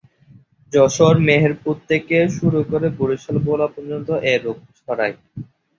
যশোর-মেহেরপুর থেকে শুরু করে বরিশাল-ভোলা পর্যন্ত এ রোগ ছড়ায়।